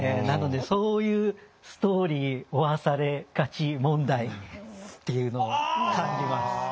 なのでそういう「ストーリー負わされがち問題」っていうのを感じます。